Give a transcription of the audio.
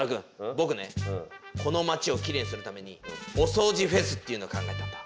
ぼくねこの町をキレイにするために「おそうじフェス」っていうのを考えたんだ！